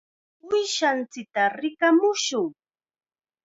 Uushanchikta rikamushun.